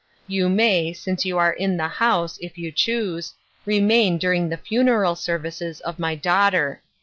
You may, since you are in the house, if you choose, remain during the funeral services of my daughter.